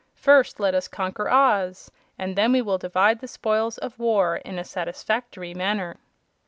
First let us conquer Oz, and then we will divide the spoils of war in a satisfactory manner."